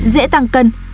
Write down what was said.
dễ tăng cân